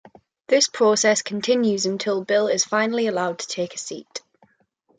This process continues until Bill is finally allowed to take a seat.